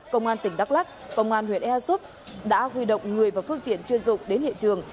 công an tỉnh đắk lắc công an huyện ea súp đã huy động người và phương tiện chuyên dụng đến hiện trường